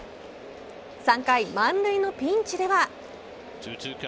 ３回、満塁のピンチでは。